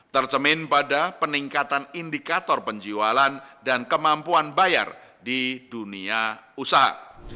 tercemin pada peningkatan indikator penjualan dan kemampuan bayar di dunia usaha